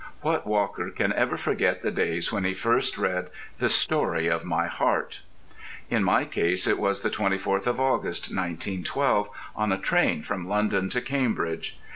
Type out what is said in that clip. What walker can ever forget the day when he first read "The Story of My Heart?" In my case it was the 24th of August, 1912, on a train from London to Cambridge.